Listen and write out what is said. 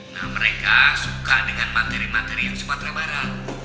nah mereka suka dengan materi materi yang sepatra bara